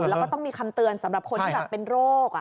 แล้วก็ต้องมีคำเตือนสำหรับคนที่แบบเป็นโรค